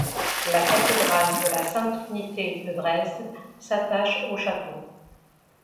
La Cathédrale de la Sainte-Trinité de Dresde s'attache au château.